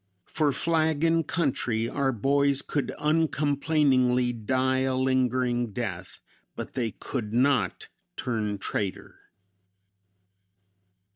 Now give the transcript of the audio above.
For flag and country our boys could uncomplainingly die a lingering death, but they could not turn traitor.